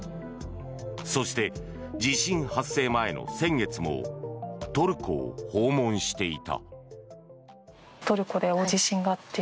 そして、地震発生前の先月もトルコを訪問していた。